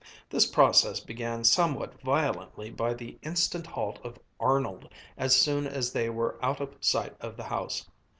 This process began somewhat violently by the instant halt of Arnold as soon as they were out of sight of the house.